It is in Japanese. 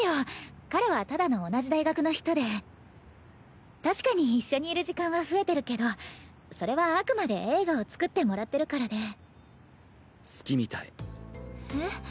彼はただの同じ大学の人で確かに一緒にいる時間は増えてるけどそれはあくまで映画を作ってもらってるからで好きみたいえっ？